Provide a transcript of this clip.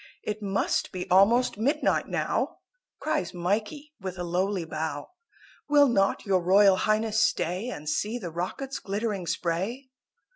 "It must be almost midnight now," Cries Mikey with a lowly bow; "Will not your Royal Highness stay And see the rockets glittering spray?"